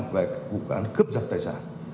chín mươi tám về vụ án cướp giật tài sản